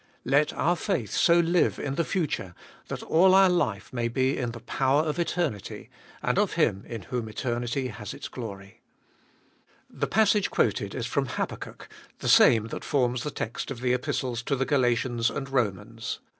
Let our faith so live in the future, that all our life may be in the power of eternity, and of Him in whom eternity has its glory. The passage quoted is from Habakkuk, the same that forms the text of the Epistles to the Galatians and Romans. The 1 Draw back.